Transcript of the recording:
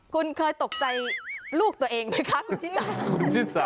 คุณเคยตกใจลูกตัวเองไหมคะคุณชิสา